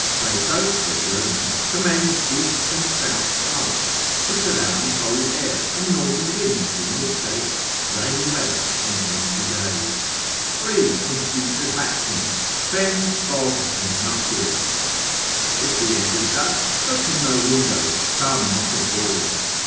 Crato, a German, commends east and south site (disallowing cold air and northern winds in this case, rainy weather and misty days), free from putrefaction, fens, bogs, and muck—hills. If the air be such, open no windows, come not abroad.